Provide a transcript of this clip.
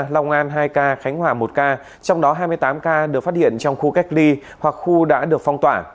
long an hai ca khánh hòa một ca trong đó hai mươi tám ca được phát hiện trong khu cách ly hoặc khu đã được phong tỏa